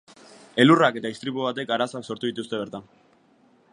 Elurrak eta istripu batek arazoak sortu dituzte bertan.